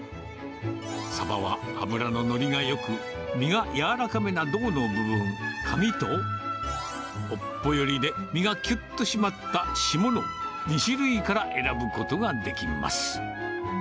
サバは脂の乗りがよく、身が柔らかめな胴の部分、カミと、尾っぽ寄りで、身がきゅっと締まったシモの２種類から選ぶことができます。